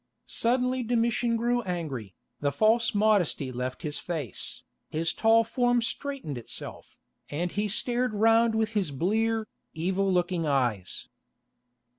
Suddenly Domitian grew angry, the false modesty left his face, his tall form straightened itself, and he stared round with his blear, evil looking eyes.